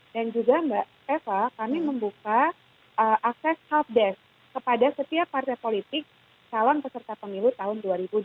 dan juga mbak eva kami membuka akses helpdesk kepada setiap partai politik salam peserta pemilu tahun dua ribu dua puluh empat